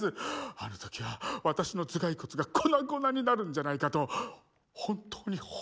あの時は私の頭蓋骨が粉々になるんじゃないかと本当に骨を折るとこでした。